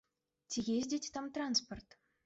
Ці ездзіць там транспарт?